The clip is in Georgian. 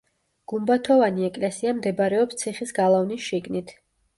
გუმბათოვანი ეკლესია მდებარეობს ციხის გალავნის შიგნით.